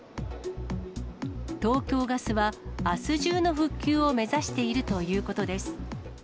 東京ガスはあす中の復旧を目指しているということです。